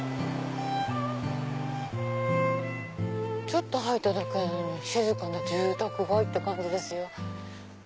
ちょっと入っただけなのに静かな住宅街って感じですよ。